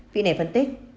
vị này phân tích